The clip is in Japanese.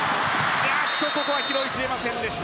ここは拾いきれませんでした。